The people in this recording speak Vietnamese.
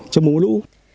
trong mối lũ